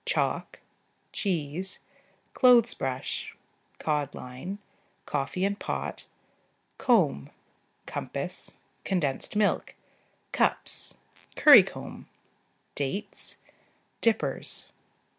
Chalk. Cheese. Clothes brush. Cod line. Coffee and pot. Comb. Compass. Condensed milk. Cups. Currycomb. Dates. Dippers.